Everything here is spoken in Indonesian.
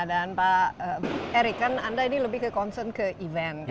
dan pak erik anda ini lebih ke concern ke event